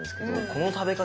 この食べ方